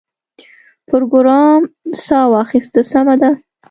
پروګرامر ساه واخیسته سمه ده